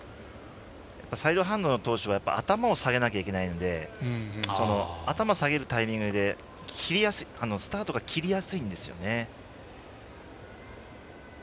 サイドハンドの投手は頭を下げないければいけないのでそのタイミングでスタートが切りやすいんですよね。